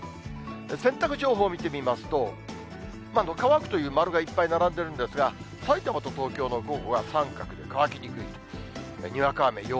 洗濯情報を見てみますと、乾くという丸がいっぱい並んでいるんですが、さいたまと東京の午後は三角で乾きにくい。